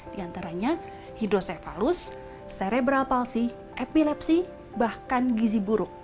di antaranya hidrosefalus cerebral palsy epilepsi bahkan gizi buruk